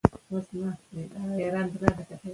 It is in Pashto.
د تنباکو د منع کولو حکم په ټول هېواد کې خپور شو.